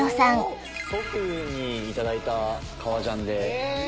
祖父に頂いた革ジャンで。